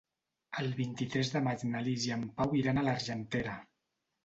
El vint-i-tres de maig na Lis i en Pau iran a l'Argentera.